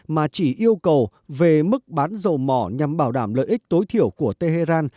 mà chỉ yêu cầu về mức bán dầu mỏ nhằm bảo đảm lợi ích tối thiểu của tehran